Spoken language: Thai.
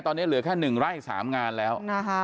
ตอนนี้เหลือแค่๑ไร่๓งานแล้ว